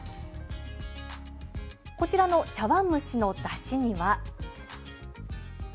こちらの茶わん蒸しのだしには。